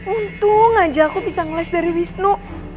untung aja aku bisa ngeles dari wisnu